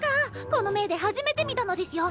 この目で初めて見たのですよ！